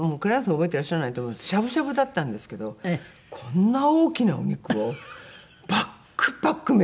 覚えてらっしゃらないと思うんですけどしゃぶしゃぶだったんですけどこんな大きなお肉をバクバク召し上がってて。